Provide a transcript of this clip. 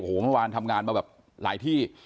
โอ้โหเมื่อวานทำงานมาแบบหลายที่